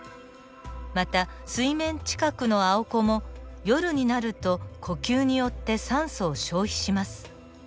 また水面近くのアオコも夜になると呼吸によって酸素を消費します。